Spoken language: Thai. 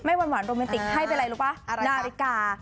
หวานโรแมนติกให้เป็นอะไรรู้ป่ะนาฬิกา